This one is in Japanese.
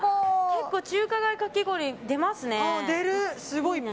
結構、中華街かき氷出ますね。